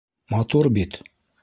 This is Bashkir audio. — Матур бит!